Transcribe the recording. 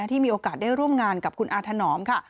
ที่มีโอกาสได้ร่วมงานกับคุณอาถนอมค่ะ